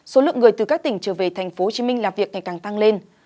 số lượng người từ các tỉnh trở về tp hcm làm việc ngày càng tăng lên